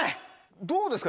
どうですか？